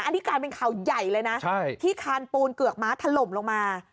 อันนี้กลายเป็นข่าวใหญ่เลยนะที่คานปูนเกือกม้าถล่มลงมา